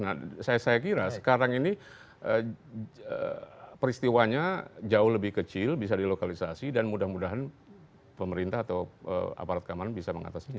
nah saya kira sekarang ini peristiwanya jauh lebih kecil bisa dilokalisasi dan mudah mudahan pemerintah atau aparat keamanan bisa mengatasinya